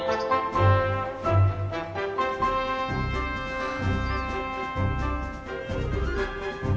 はあ。